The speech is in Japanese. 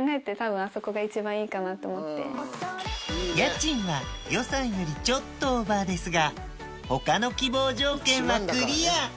家賃は予算よりちょっとオーバーですが他の希望条件はクリア！